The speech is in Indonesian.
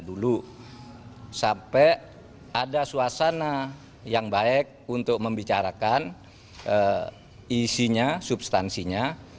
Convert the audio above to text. dulu sampai ada suasana yang baik untuk membicarakan isinya substansinya